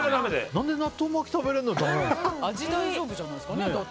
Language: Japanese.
何で、納豆巻き食べれるのにだめなの？